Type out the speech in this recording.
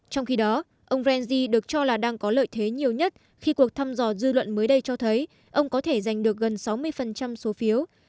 trong khi đó ông brenzy được cho là đang có lợi thế nhiều nhất khi cuộc thăm dò dư luận mới đây cho thấy ông có thể giành được gần sáu mươi số phiếu